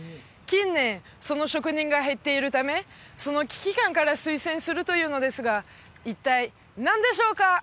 近年その職人が減っているためその危機感から推薦するというのですが一体何でしょうか？